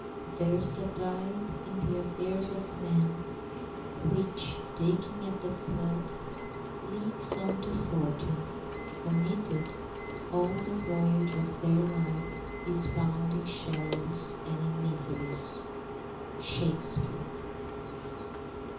] "There is a tide in the affairs of men, Which, taken at the flood, leads on to fortune; Omitted, all the voyage of their life Is bound in shallows and in miseries." —SHAKESPEARE.